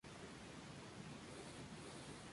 Desde el sondeo a boca de urna resulta ganador.